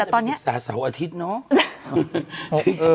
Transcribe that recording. ตอนนี้น่าจะไปศึกษาเสาร์อาทิตย์เนอะ